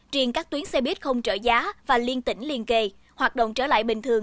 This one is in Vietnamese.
truyền các tuyến xe buýt không trợ giá và liên tỉnh liên kề hoạt động trở lại bình thường